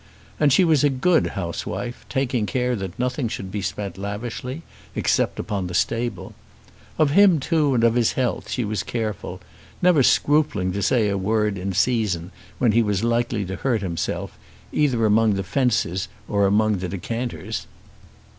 And she was a good housewife, taking care that nothing should be spent lavishly, except upon the stable. Of him, too, and of his health, she was careful, never scrupling to say a word in season when he was likely to hurt himself, either among the fences or among the decanters.